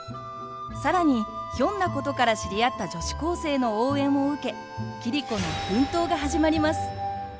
更にひょんなことから知り合った女子高生の応援を受け桐子の奮闘が始まります。